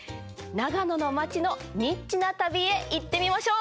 長野の街のニッチな旅へ行ってみましょう！